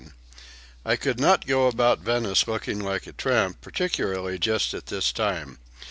"I could not go about Vienna looking like a tramp, particularly just at this time.